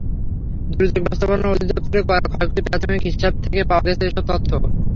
দুর্যোগ ব্যবস্থাপনা অধিদপ্তরের করা ক্ষয়ক্ষতির প্রাথমিক হিসাব থেকে পাওয়া গেছে এসব তথ্য।